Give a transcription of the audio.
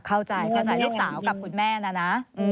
เข้าใจเข้าใจลูกสาวกับคุณแม่นะนะ